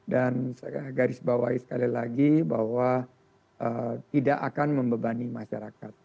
dan saya garis bawahi sekali lagi bahwa tidak akan membebani masyarakat